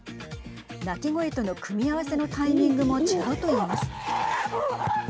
鳴き声との組み合わせのタイミングも違うといいます。